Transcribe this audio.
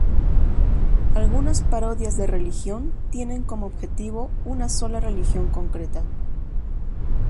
Algunas parodias de religión tienen como objetivo una sola religión concreta.